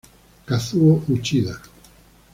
Kazuo Uchida